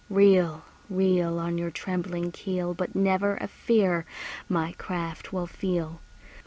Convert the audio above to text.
Reel, reel. On your trembling keel, But never a fear my craft will feel.